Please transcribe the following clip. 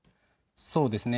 そうですね。